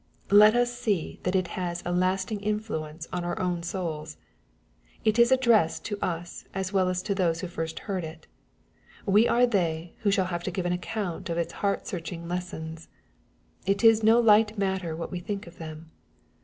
Let us sec that it has a lasting influence on our own souls. It is addressed to us as well as to those who first heard it. We are they who shall have to give account of its heart searching lessons. It is no light matter what we think of them.